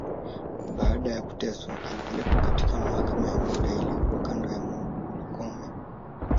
Baada ya kuteswa, alipelekwa katika mahakama ya muda, iliyokuwa kando ya ngome.